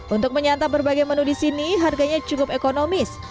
untuk menyantap berbagai menu di sini harganya cukup ekonomis